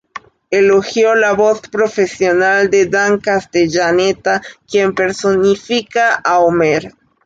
Elogió la voz profesional de Dan Castellaneta, quien personifica a Homer.